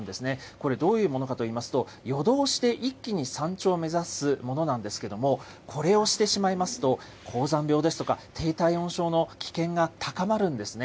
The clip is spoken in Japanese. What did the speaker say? これ、どういうものかといいますと、夜通しで一気に山頂を目指すものなんですけれども、これをしてしまいますと、高山病ですとか、低体温症の危険が高まるんですね。